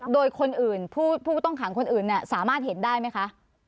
โดยคนอื่นผู้ต้องขังคนอื่นสามารถเห็นได้ไหมคะ